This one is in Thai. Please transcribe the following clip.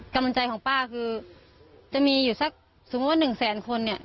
กำลังใจของป้าคือจะมีอยู่สักสมมุติว่า๑แสนคนเนี่ย